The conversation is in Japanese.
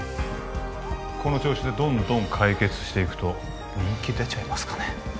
この調子でどんどん解決していくと人気出ちゃいますかね